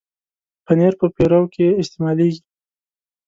پنېر په پیروکي کې استعمالېږي.